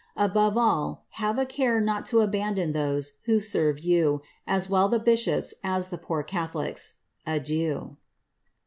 Above all, have a care ail to abandon those who have served you, as well the bishops as the poor ( Adieu."